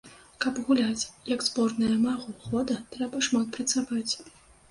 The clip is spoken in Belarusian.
Каб гуляць, як зборная майго года, трэба шмат працаваць.